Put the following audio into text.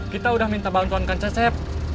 kita udah minta bantuan kak cecep